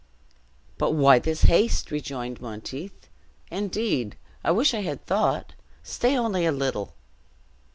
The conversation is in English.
"But why this haste?" rejoined Monteith, "indeed, I wish I had thought stay only a little."